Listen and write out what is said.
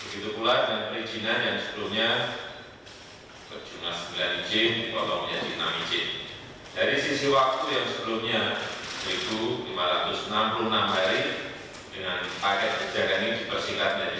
paket kebijakan ini dibersihkan menjadi satu ratus tiga puluh dua hari